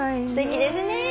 すてきですね。